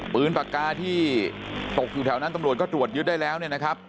ปืนปากกาที่ตกอยู่แถวนั้นตำรวจก็ตรวจยึดได้แล้วเนี่ยนะครับ